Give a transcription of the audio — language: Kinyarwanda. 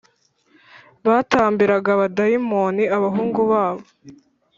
Batambiraga abadayimoni abahungu babo